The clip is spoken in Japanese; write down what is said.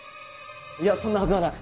いやそんなはずはない！